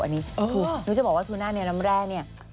นุ้ยจะบอกว่าทูน่าในน้ำแร่เนี่ย